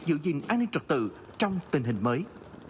giữ gìn an ninh trật tự trong tình hình mới